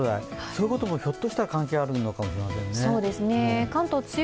そういうことも、ひょっとしたら関係しているのかもしれませんね。